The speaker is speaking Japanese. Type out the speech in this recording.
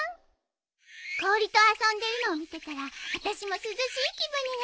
氷と遊んでいるのを見てたらあたしも涼しい気分になったの。